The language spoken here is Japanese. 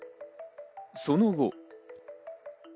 その後。